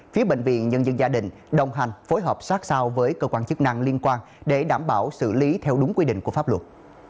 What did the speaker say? phía bệnh viện nhân dân gia đình đồng hành phối hợp sát sao với cơ quan chức năng liên quan để đảm bảo xử lý theo đúng quy định của pháp luật